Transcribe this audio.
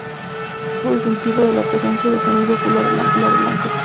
Un rasgo distintivo es la presencia de su anillo ocular blanco.